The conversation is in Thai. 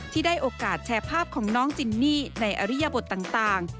ได้โอกาสแชร์ภาพของน้องจินนี่ในอริยบทต่าง